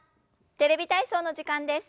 「テレビ体操」の時間です。